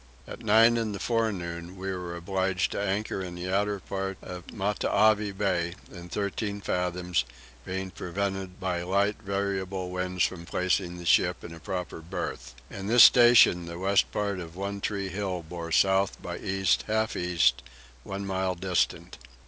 At nine in the forenoon we were obliged to anchor in the outer part of Matavai Bay, in thirteen fathoms, being prevented by light variable winds from placing the ship in a proper berth. In this station the west part of One tree hill bore south by east half east one mile distant.